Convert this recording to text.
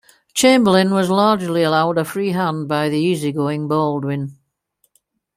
Chamberlain was largely allowed a free hand by the easy-going Baldwin.